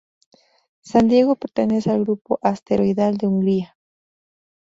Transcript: San Diego pertenece al grupo asteroidal de Hungaria.